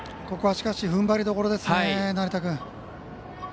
ここはふんばりどころですね、成田君。